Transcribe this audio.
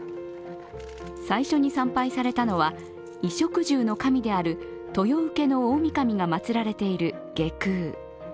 最初に参拝されたのは、衣食住の神である豊受大御神が祭られている外宮。